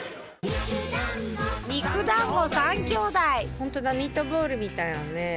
ホントだミートボールみたいだね。